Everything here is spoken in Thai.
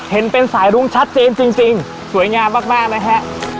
เห็นเป็นสายรุ้งชัดเจนจริงสวยงามมากนะฮะ